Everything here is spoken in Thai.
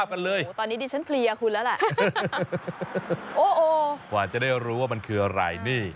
กว่าจะได้รู้ว่ามันคืออะไรนี่